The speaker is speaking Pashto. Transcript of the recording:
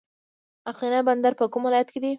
اقینه بندر په کوم ولایت کې دی؟